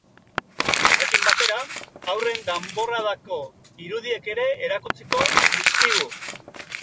Horrekin batera, haurren danborradako irudiak ere erakutsiko dizkigu.